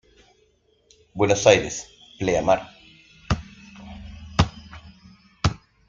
Buenos Aires: Pleamar.